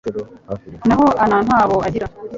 naho ana nta bo agira